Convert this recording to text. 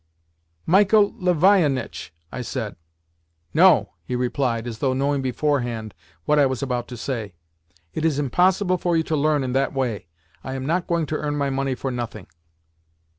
"Michael Lavionitch!" I said. "No!" he replied, as though knowing beforehand what I was about to say. "It is impossible for you to learn in that way. I am not going to earn my money for nothing."